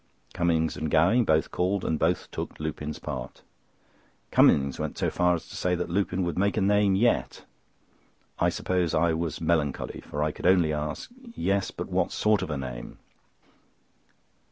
Cummings and Gowing both called, and both took Lupin's part. Cummings went so far as to say that Lupin would make a name yet. I suppose I was melancholy, for I could only ask: "Yes, but what sort of a name?"